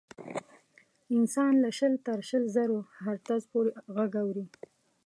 انسان له شل تر شل زرو هرتز پورې غږ اوري.